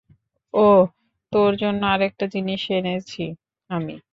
ওহ, তোর জন্য আরেকটা জিনিস এনেছি আমি।